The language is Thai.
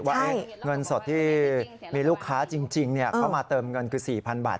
ว่าเงินสดที่มีลูกค้าจริงเขามาเติมเงินคือ๔๐๐บาท